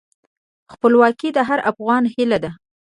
خپلواکي د هر افغان هیله ده.